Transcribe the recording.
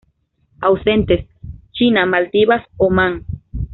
Ausentes: China, Maldivas, Omán.